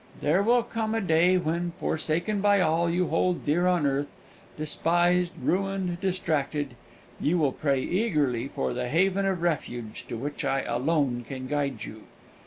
There will come a day when, forsaken by all you hold dear on earth, despised, ruined, distracted, you will pray eagerly for the haven of refuge to which I alone can guide you.